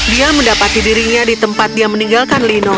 dia mendapati dirinya di tempat dia meninggalkan lino